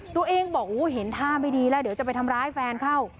ตัวเองบอกเห็นท่าไม่ดีแล้วเดี๋ยวจะไปทำร้ายแฟนเข้า